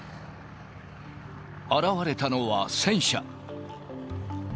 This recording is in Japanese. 現れたのは戦車。